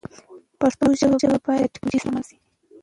پښتو ژبه باید د ټکنالوژۍ سره مله شي.